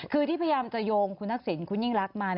คือที่พยายามจะโยงคุณทักษิณคุณยิ่งรักมา